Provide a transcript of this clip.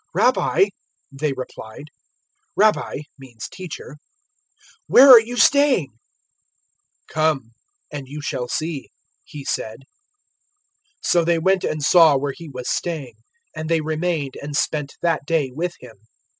"Rabbi," they replied `Rabbi' means `Teacher' "where are you staying?" 001:039 "Come and you shall see," He said. So they went and saw where He was staying, and they remained and spent that day with Him.